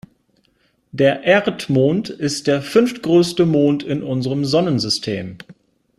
Der Erdmond ist der fünftgrößte Mond in unserem Sonnensystem.